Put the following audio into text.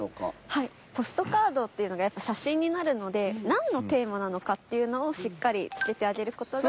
はいポストカードっていうのがやっぱ写真になるのでなんのテーマなのかっていうのをしっかり付けてあげる事が。